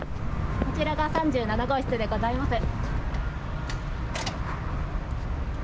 こちらが３７号室でございます。